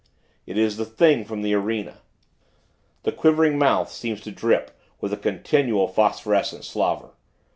It is the Thing from the arena. The quivering mouth seems to drip with a continual, phosphorescent slaver.